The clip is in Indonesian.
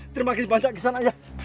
terima kasih banyak kisahnya